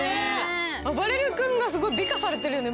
あばれる君がすごい美化されてるよね。